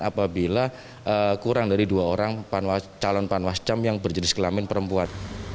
apabila kurang dari dua orang calon panwascam yang berjenis kelamin perempuan